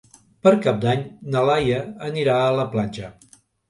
Per Cap d'Any na Laia anirà a la platja.